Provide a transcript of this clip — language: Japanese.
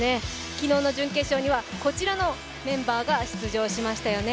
昨日の準決勝にはこちらのメンバーが出場しましたよね。